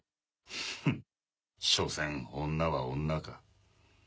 フンしょせん女は女か。